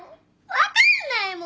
分かんないもん。